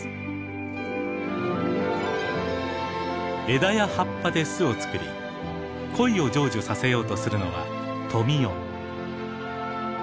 枝や葉っぱで巣を作り恋を成就させようとするのはトミヨ。